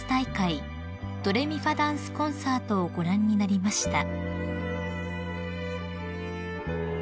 ドレミファダンスコンサートをご覧になりました］